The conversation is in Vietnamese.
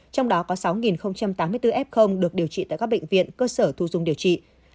trong đó có sáu tám mươi bốn f được điều trị tại các bệnh viện cơ sở thu dung điều trị